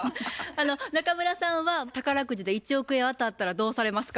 中村さんは宝くじで１億円当たったらどうされますか？